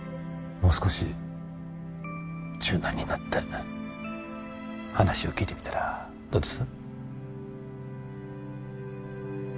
もう少し柔軟になって話を聞いてみたらどうです？